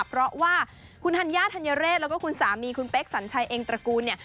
เพราะว่าคุณธัญญาธัญเรศแล้วก็คุณสามีคุณเป๊กสัญชัยเองตระกูลเนี่ย